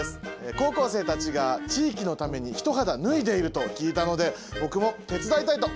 高校生たちが地域のために一肌脱いでいると聞いたので僕も手伝いたいと思います。